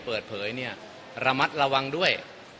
เปิดเผยเนี่ยระมัดระวังด้วย